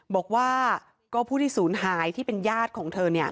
บอกว่าก็ผู้ที่สูญหายที่เป็นญาติของเธอ